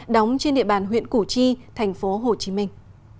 đóng trên địa bàn huyện củ chi thành phố hồ chí minh